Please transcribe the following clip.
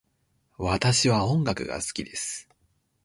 私は音楽が好きです。